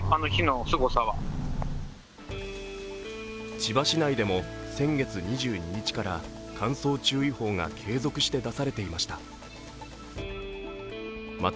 千葉市内でも先月２２日から乾燥注意報が継続して出されていました。